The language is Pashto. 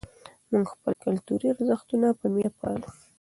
موږ خپل کلتوري ارزښتونه په مینه پالو.